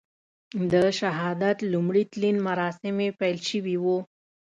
د شهادت لومړي تلین مراسم یې پیل شوي وو.